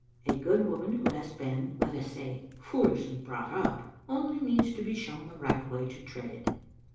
A good woman who has been, let us say, foolishly brought up, only needs to be shown the right way to tread it.